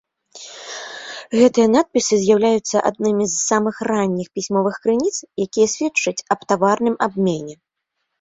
Гэтыя надпісы з'яўляюцца аднымі з самых ранніх пісьмовых крыніц, якія сведчаць аб таварным абмене.